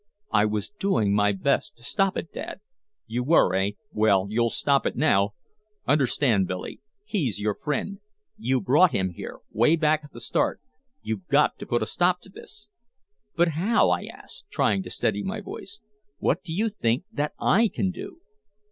"I was doing my best to stop it, Dad." "You were, eh well, you'll stop it now! Understand me, Billy, he's your friend you brought him here way back at the start. You've got to put a stop to this " "But how?" I asked, trying to steady my voice. "What do you think that I can do?"